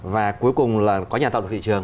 và cuối cùng là có nhà tạo được thị trường